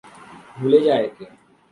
ভুলে যা একে।